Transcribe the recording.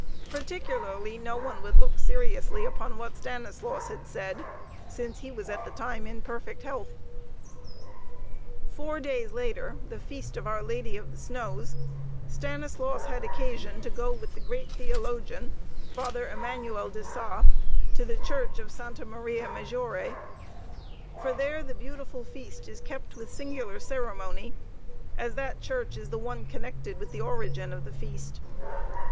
Particularly no one would look seriously upon what Stanislaus had said, since he was at the time in perfect health. Four days later, the feast of our Lady of the Snows, Stanislaus had occasion to go with the great theologian, Father Emmanuel de Sa, to the church of Santa Maria Maggiore. For there the beautiful feast is kept with singular ceremony, as that church is the one connected with the origin of the feast.